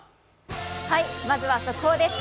まずは速報です。